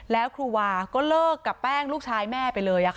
แล้วครูวาก็เลิกกับแป้งลูกชายแม่ไปเลย